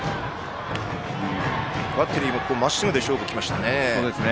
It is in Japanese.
バッテリーもまっすぐで勝負に来ましたね。